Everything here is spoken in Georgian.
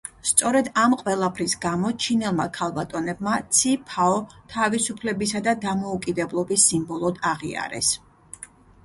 სწორედ ამ ყველაფრის გამო ჩინელმა ქალბატონებმა ცი ფაო თავისუფლებისა და დამოუკიდებლობის სიმბოლოდ აღიარეს.